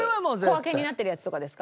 小分けになってるやつとかですか。